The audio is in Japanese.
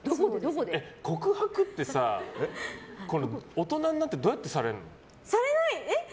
告白ってさ、大人になってどうやって？